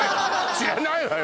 知らないわよ